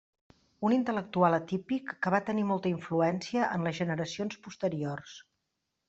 Un intel·lectual atípic que va tenir molta influència en les generacions posteriors.